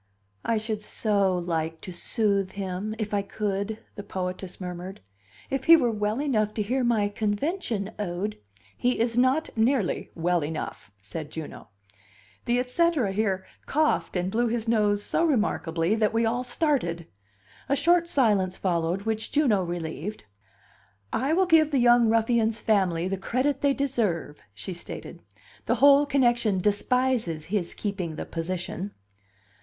"I should so like to soothe him, if I could," the poetess murmured. "If he were well enough to hear my convention ode " "He is not nearly well enough," said Juno. The et cetera here coughed and blew his nose so remarkably that we all started. A short silence followed, which Juno relieved. "I will give the young ruffian's family the credit they deserve," she stated. "The whole connection despises his keeping the position."